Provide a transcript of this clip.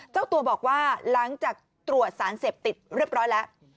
เจ้าตัวบอกว่าหลังจากตรวจสารเสพติดเรียบร้อยแล้ว